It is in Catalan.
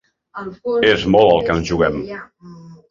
És molt el que ens juguem.